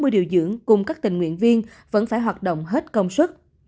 một trăm bốn mươi điều dưỡng cùng các tình nguyện viên vẫn phải hoạt động hết công suất